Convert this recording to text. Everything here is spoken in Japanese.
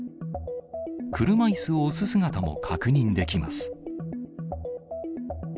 車いすを押す姿も確認できます。